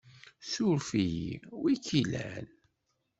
Suref-iyi, wi ik-ilan?